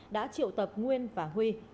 đã triệu tập nguyên và huy